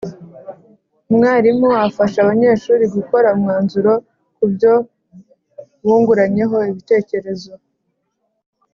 umwarimu afasha abanyeshuri gukora umwanzuro ku byo bunguranyeho ibitekerezo.